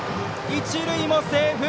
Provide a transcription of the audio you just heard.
一塁もセーフ！